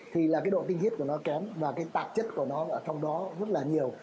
thì độ tinh khiết của nó kém và tạp chất của nó ở trong đó rất là nhiều